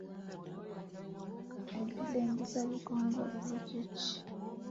Empiringisabikongoliro kye ki?